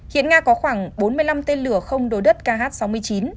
hiện nga có khoảng bốn mươi năm tên lửa không đối đất khh sáu mươi chín